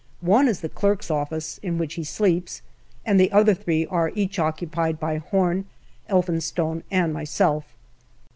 One is the clerk's office, in which he sleeps, and the other three are each occupied by Horn, Elphinstone, and myself.